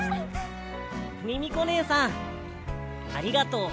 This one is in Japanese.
ミミコねえさんありがとう。